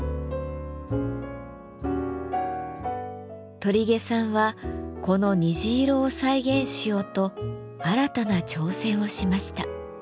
鳥毛さんはこの虹色を再現しようと新たな挑戦をしました。